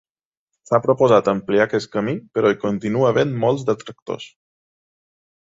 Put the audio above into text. S'ha proposat ampliar aquest camí, però hi continua havent molts detractors.